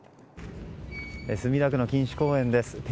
墨田区の錦糸公園です。